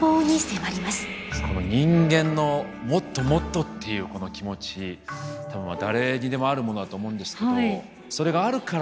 この人間の「もっともっと」っていうこの気持ち多分誰にでもあるものだと思うんですけどそれがあるから僕たち